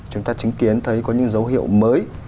chúng ta chứng kiến thấy có những dấu hiệu mới